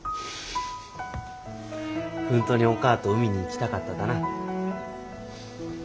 本当におかあと海に行きたかっただな。